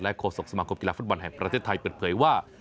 โฆษกสมาคมกีฬาฟุตบอลแห่งประเทศไทยเปิดเผยว่า